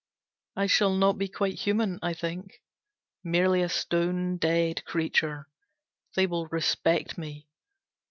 I shall not be quite human, I think. Merely a stone dead creature. They will respect me.